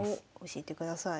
教えてください。